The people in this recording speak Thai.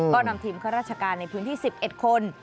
ก็นำทีมข้าราชการในพื้นที่๑๑คน